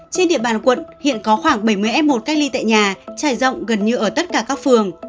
trên địa bàn quận hiện có khoảng bảy mươi f một cách ly tại nhà trải rộng gần như ở tất cả các phường